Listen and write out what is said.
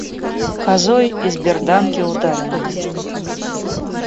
Козой, из берданки ударенной.